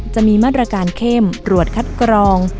จะมีมาตรการเข้มตรวจคัดกรอง